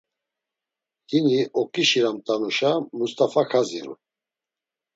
Hini oǩişiramt̆anuşa Must̆afa kaziru.